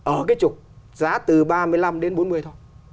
ở cái trục giá từ ba mươi năm đến bốn mươi thôi